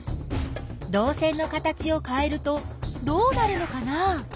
どう線の形をかえるとどうなるのかな？